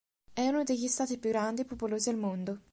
È uno degli stati più grandi e popolosi al mondo.